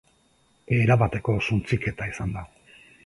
Erabateko suntsiketa izan da.